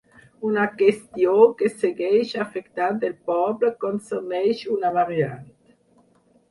Una qüestió que segueix afectant el poble concerneix una variant.